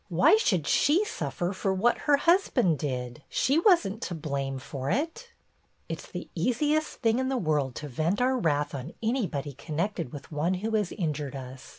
Why should she suffer for what her husband did ? She was n't to blame for it." "It 's the easiest thing in the world to vent our wrath on anybody connected with one who has injured us.